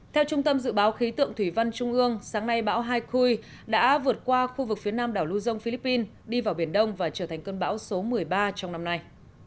theo trung tâm dự báo khí tượng thủy văn trung ương sáng nay bão haikui đã vượt qua khu vực phía nam đảo lưu dông philippines đi vào biển đông và trở thành cơn bão số một mươi ba trong năm nay